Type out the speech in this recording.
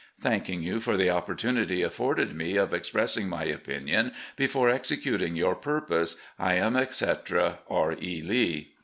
Thanking you for the opportunity afforded me of expressing my opinion before executing your purpose, I am, etc., "R. E. Lee."